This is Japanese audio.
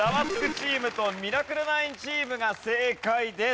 チームとミラクル９チームが正解です。